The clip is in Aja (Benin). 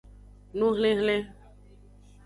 Nuhlinhlin.